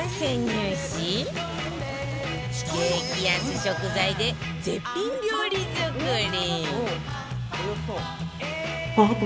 激安食材で絶品料理作り